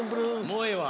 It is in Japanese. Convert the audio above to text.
もうええわ。